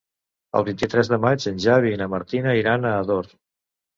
El vint-i-tres de maig en Xavi i na Martina iran a Ador.